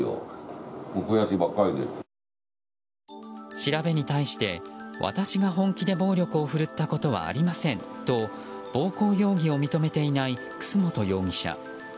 調べに対して、私が本気で暴力をふるったことはありませんと暴行容疑を認めていない楠本容疑者。